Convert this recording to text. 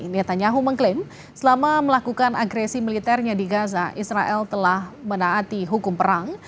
netanyahu mengklaim selama melakukan agresi militernya di gaza israel telah menaati hukum perang